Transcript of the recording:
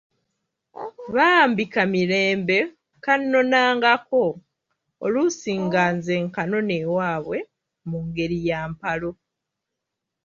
Bambi ka Mirembe kannonangako, oluusi nga nze nkanona ewaabwe mu ngeri ya mpalo.